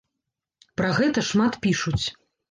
Пра гэта шмат пішуць.